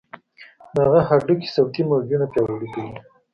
دغه هډوکي صوتي موجونه پیاوړي کوي.